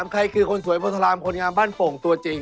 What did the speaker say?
ใครคือคนสวยโพธารามคนงามบ้านโป่งตัวจริง